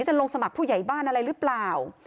จะลงสมัครผู้ใหญ่บ้านอะไรหรือเปล่า